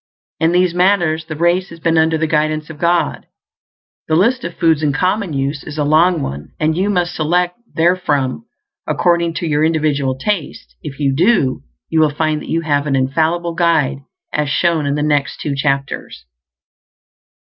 In these matters the race has been under the guidance of God. The list of foods in common use is a long one, and you must select therefrom according to your individual taste; if you do, you will find that you have an infallible guide, as shown in the next two chapters.